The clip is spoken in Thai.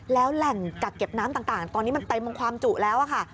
แล้วแหล่งกักเก็บน้ำต่างตอนนี้มันเต็มความจุแล้วค่ะ